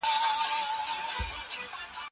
ایا شاګرد باید د موضوع اړوند ليکني ولولي؟